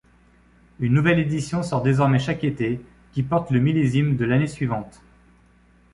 Une nouvelle édition sort désormais chaque été, qui porte le millésime de l’année suivante.